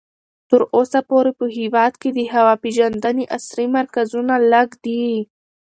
تر اوسه پورې په هېواد کې د هوا پېژندنې عصري مرکزونه لږ دي.